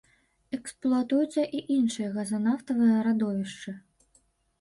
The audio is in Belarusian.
Эксплуатуюцца і іншыя газанафтавыя радовішчы.